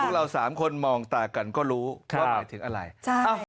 เราสามคนมองตากันก็รู้ว่าหมายถึงอะไร